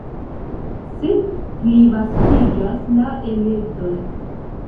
Sed plivastiĝas la elektoj.